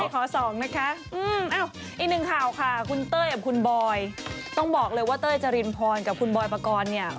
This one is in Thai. ขอสองนะคะอีกหนึ่งข่าวค่ะคุณเต้ยกับคุณบอยต้องบอกเลยว่าเต้ยจรินพรกับคุณบอยปกรณ์เนี่ย